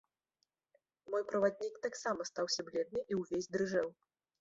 Мой праваднік таксама стаўся бледны і ўвесь дрыжэў.